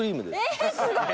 えすごい。